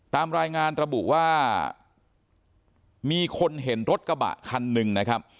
ตามรายงานระบุว่ามีคนเห็นรถกระบะคันหนึ่งนะครับ